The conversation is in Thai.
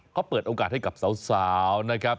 เขาเปิดโอกาสให้กับสาวนะครับ